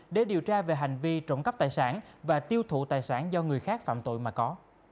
để điều tra về hành vi trộm cắp tài sản và tiêu thụ tài sản do người khác phạm tội mà có